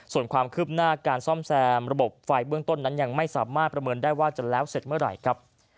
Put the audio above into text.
ส่วนความคืบหน้าการซ่อมแซมระบบไฟเบื้องต้นนั้นยังไม่สามารถประเมินได้ว่าจะแล้วเสร็จเมื่อไหร่ครับ